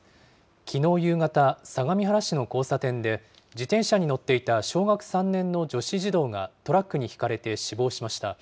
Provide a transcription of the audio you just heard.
きのう夕方、相模原市の交差点で、自転車に乗っていた小学３年の女子児童がトラックにひかれて死亡しました。